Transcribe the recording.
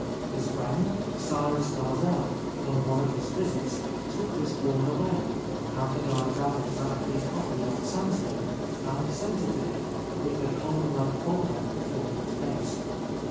His friend, Cyrus Dalzell, on one of his visits, took this board away, had the diagram exactly copied on sandstone, and sent it to him, with the column like boulder that formed its base.